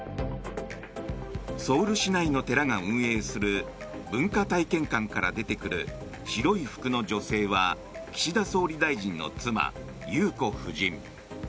ソウル市内の寺が運営する文化体験館から出てくる白い服の女性は岸田総理大臣の妻裕子夫人。